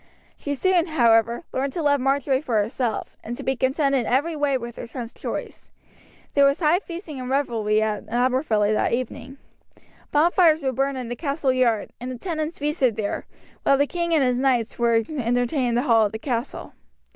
She soon, however, learned to love Marjory for herself, and to be contented every way with her son's choice. There was high feasting and revelry at Aberfilly that evening. Bonfires were burned in the castle yard, and the tenants feasted there, while the king and his knights were entertained in the hall of the castle.